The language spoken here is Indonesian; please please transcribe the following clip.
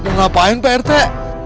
ngapain pak rete